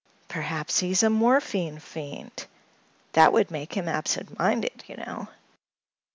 "Perhaps he's a morphine fiend. That would make him absent minded, you know."